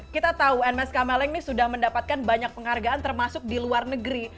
kita tahu nmes kameleng ini sudah mendapatkan banyak penghargaan termasuk di luar negeri